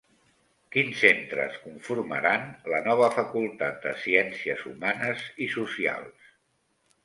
Quins centres conformaran la nova Facultat de Ciències Humanes i Socials?